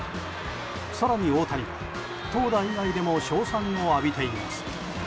更に大谷は、投打以外でも称賛を浴びています。